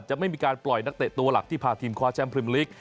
จะไม่มีการปล่อยนักเตะตัวหลักที่พาทีมคว้าแชมปริมลิก